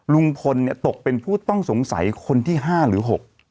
ลุงพลตกเป็นผู้ต้องสงสัยคนที่๕หรือ๖